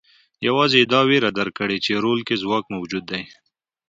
یوازې یې دا وېره درک کړې چې رول کې ځواک موجود دی.